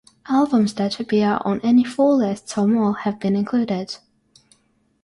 Albums that appear on any four lists or more have been included.